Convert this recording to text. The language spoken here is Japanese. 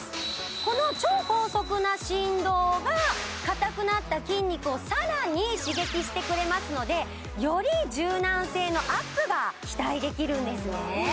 この超高速な振動が硬くなった筋肉をさらに刺激してくれますのでより柔軟性のアップが期待できるんですね